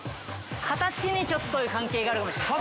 ◆形にちょっと関係があるかもしれない。